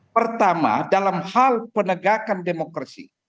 pertama dalam hal penegakan demokrasi